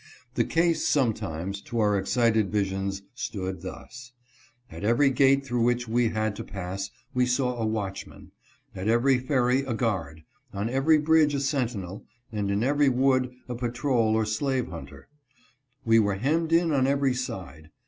The case sometimes, to our excited visions, stood thus : At every gate through which we had to pass we saw a watchman; at every ferry a guard; on every bridge a sentinel, and in every wood a patrol or slave hunter. We were hemmed in on every side.